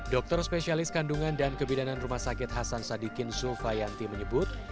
dokter spesialis kandungan dan kebidanan rumah sakit hasan sadikin zulfayanti menyebut